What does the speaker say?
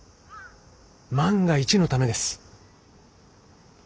万が一のためです。